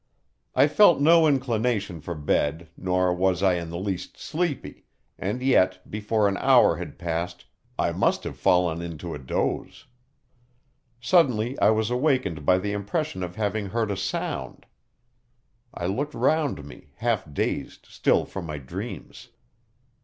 I felt no inclination for bed, nor was I in the least sleepy, and yet, before an hour had passed, I must have fallen into a doze. Suddenly I was awakened by the impression of having heard a sound. I looked round me, half dazed still from my dreams.